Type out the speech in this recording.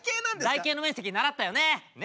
台形の面積習ったよね？